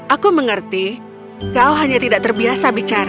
aku mengerti kau hanya tidak terbiasa bicara